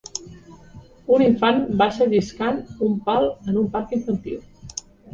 Un infant baixa lliscant un pal en un parc infantil.